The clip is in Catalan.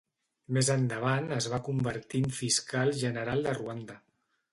Més endavant es va convertir en Fiscal General de Ruanda.